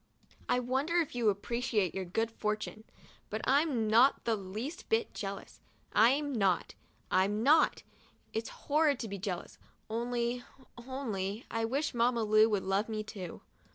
I wonder if you appreciate your good fortune ! But I'm not the least bit jealous. I'm not ! I'm not ! It's horrid 8 MONDAY— MY FIRST BATH to be jealous — only — only — I wish Mamma Lu would love me too.